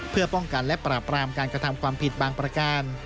เพื่อป้องกันและปราบรามการกระทำความผิดบางประการ